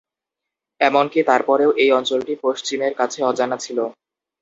এমনকি তারপরেও এই অঞ্চলটি পশ্চিমের কাছে অজানা ছিল।